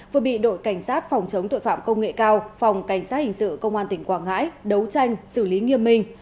vừa bị đội cảnh sát phòng chống tội phạm công nghệ cao phòng cảnh sát hình sự công an tỉnh quảng ngãi đấu tranh xử lý nghiêm minh